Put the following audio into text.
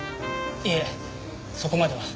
いえそこまでは。